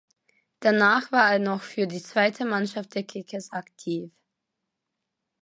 Danach war er noch für die zweite Mannschaft der Kickers aktiv.